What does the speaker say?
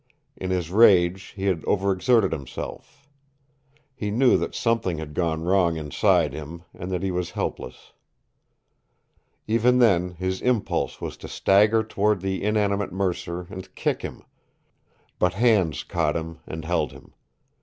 In his rage he had overexerted himself. He knew that something had gone wrong inside him and that he was helpless. Even then his impulse was to stagger toward the inanimate Mercer and kick him, but hands caught him and held him.